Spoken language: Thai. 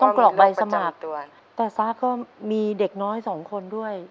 กรอกใบสมัครแต่ซ้าก็มีเด็กน้อยสองคนด้วย